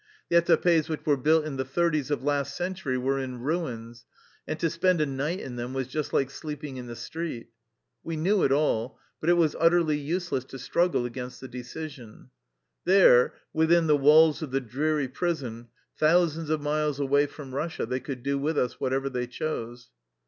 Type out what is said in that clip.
The etapes which were built in the thirties of last century were in ruins, and to spend a night in them was just like sleeping in the street. We knew it all, but it was utterly useless to struggle against the deci sion. There, within the walls of the dreary prison, thousands of miles away from Eussia, they could do with us whatever they chose.